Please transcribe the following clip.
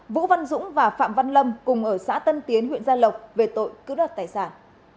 vũ văn dũng và phạm văn lâm cùng ở xã tân tiến huyện gia lộc về tội cướp đợt tài sản